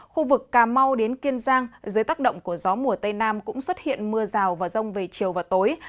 khu vực cà mau đến kiên giang dưới tác động của gió mùa tây nam cũng xuất hiện mưa rào và rông về chiều và tối